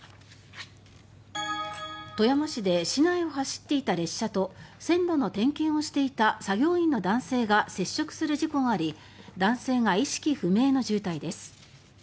富山市で市内を走っていた列車と線路の点検をしていた作業員の男性が接触する事故があり男性が意識不明の重体です。